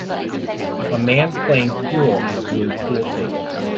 A man playing pool on a blue pool table.